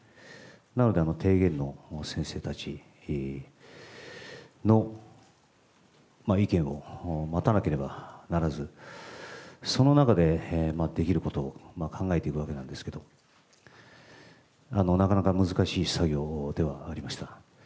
なので、提言の先生たちの意見を待たなければならず、その中でできることを考えていくわけなんですけれども、なかなか難しい作業ではありました。